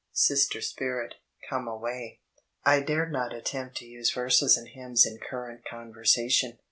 Sister spirit, come away." / dared not anempt to use verses and hymns in current conversation.